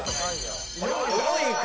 ４位か。